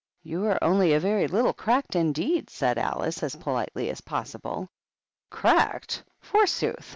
"You are only very little cracked, indeed," said Alice, as politely as possible. " G'dckedy forsooth